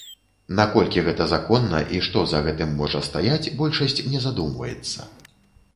Наколькі гэта законна і што за гэтым можа стаяць, большасць не задумваецца.